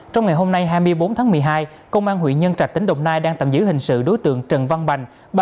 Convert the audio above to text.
trong ngày hôm nay hai mươi bốn tháng một mươi hai công an huyện nhân trạch tỉnh đồng nai đang tạm giữ hình sự đối tượng trần văn bành